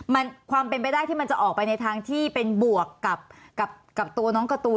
มันความเป็นไปได้ที่มันจะออกไปในทางที่เป็นบวกกับตัวน้องการ์ตูน